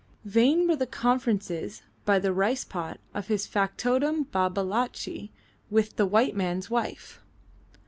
Vain were the conferences by the rice pot of his factotum Babalatchi with the white man's wife.